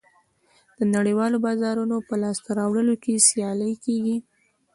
د نړیوالو بازارونو په لاسته راوړلو کې سیالي کېږي